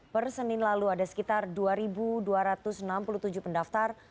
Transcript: per senin lalu ada sekitar dua dua ratus enam puluh tujuh pendaftar